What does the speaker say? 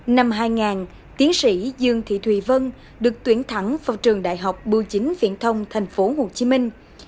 năm hai nghìn tiến sĩ dương thị thùy vân được tuyển thẳng vào trường đại học bưu chính viễn thông thành phố hồ chí minh